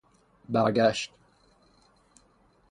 برگشت